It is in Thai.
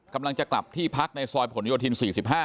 กำลังจะกลับที่พักในซอยผลโยธิน๔๕